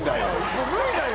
もう無理だよ！